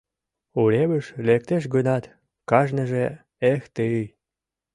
Уремыш лектеш гынат, кажныже, «Эх, тый!